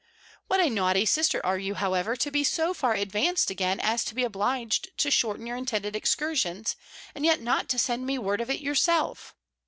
What a naughty sister are you, however, to be so far advanced again as to be obliged to shorten your intended excursions, and yet not to send me word of it yourself?